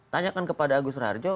tanyakan kepada agus raharjo